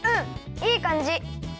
いいかんじ！